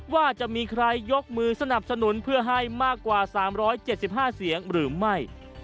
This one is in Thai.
ว่าจะมีใครยกมือสนับสนุนเพื่อให้มากกว่า๓๗๕เสียงหรือไม่